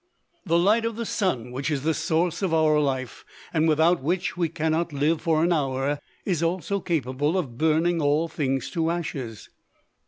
The light of the sun, which is the source of our life, and without which we cannot live for an hour, is also capable of burning all things to ashes.